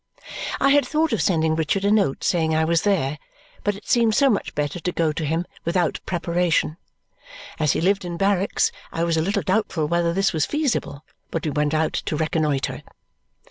I had thought of sending Richard a note saying I was there, but it seemed so much better to go to him without preparation. As he lived in barracks I was a little doubtful whether this was feasible, but we went out to reconnoitre.